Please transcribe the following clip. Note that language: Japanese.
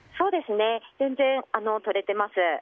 全然取れてます。